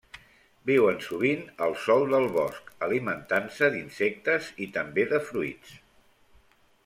Viuen sovint al sòl del bosc, alimentant-se d'insectes i també fruits.